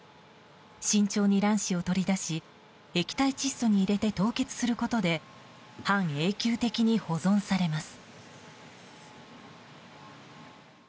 慎重に卵子を取り出し液体窒素に入れて凍結することで半永久的に保存されます。